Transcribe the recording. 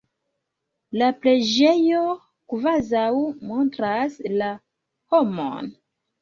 La preĝejo kvazaŭ montras la homon.